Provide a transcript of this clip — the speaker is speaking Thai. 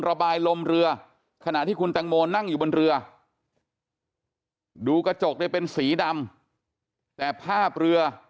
ระบายลมเรือขณะที่คุณแตงโมนั่งอยู่บนเรือดูกระจกเนี่ยเป็นสีดำแต่ภาพเรือ